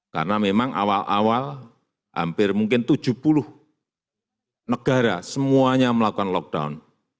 karena memang awal awal hampir mungkin tujuh puluh negara semuanya melakukan lockdown